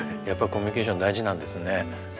やっぱりコミュニケーション大事なんですね。